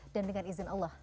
dan dengan izin allah